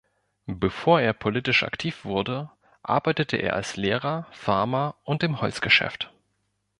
Bevor er politisch aktiv, wurde arbeitete er als Lehrer, Farmer und im Holzgeschäft.